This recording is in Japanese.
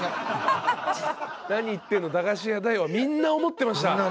みんな思ってました。